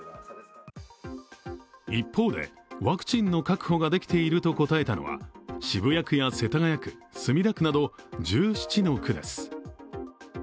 一方で、ワクチンの確保ができていると答えたのは渋谷区や世田谷区、墨田区など１７の区です。